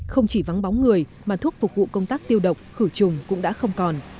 không chỉ vắng bóng người mà thuốc phục vụ công tác tiêu độc khử trùng cũng đã không còn